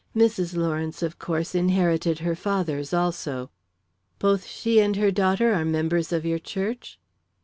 Mrs. Lawrence, of course, inherited her father's, also." "Both she and her daughter are members of your church?"